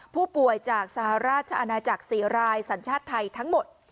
ผู้ป่วยจากสหราชอาณาจักร๔รายสัญชาติไทยทั้งหมด